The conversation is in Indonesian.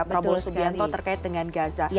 prabowo subianto terkait dengan gaza